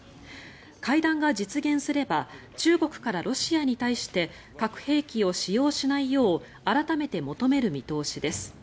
会談が実現すれば中国からロシアに対して核兵器を使用しないよう改めて求める見通しです。